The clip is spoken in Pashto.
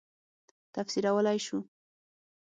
تفسیرولای شو.